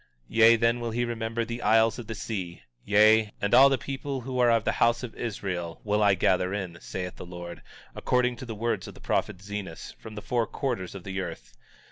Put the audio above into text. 19:16 Yea, then will he remember the isles of the sea; yea, and all the people who are of the house of Israel, will I gather in, saith the Lord, according to the words of the prophet Zenos, from the four quarters of the earth.